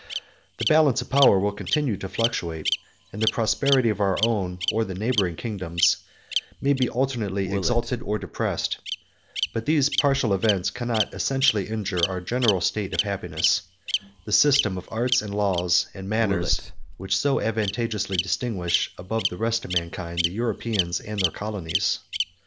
The balance of power will continue to fluctuate, and the prosperity of our own, or the neighboring kingdoms, may be alternately exalted or depressed; but these partial events cannot essentially injure our general state of happiness, the system of arts, and laws, and manners, which so advantageously distinguish, above the rest of mankind, the Europeans and their colonies.